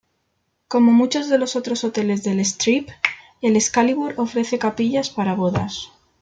Como muchos de los otros hoteles del Strip, el Excalibur ofrece capillas para bodas.